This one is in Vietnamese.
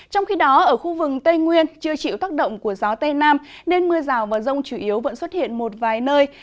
trong khi đó ở khu vực tây nguyên chưa chịu tác động của gió tây nam nên mưa rào và rông chủ yếu vẫn xuất hiện một vài nơi